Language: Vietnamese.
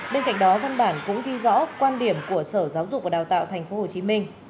bên cạnh đó văn bản cũng ghi rõ quan điểm của sở giáo dục và đào tạo tp hcm